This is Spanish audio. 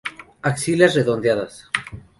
Axilas redondeadas.